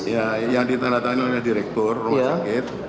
ya yang ditandatangani oleh direktur rumah sakit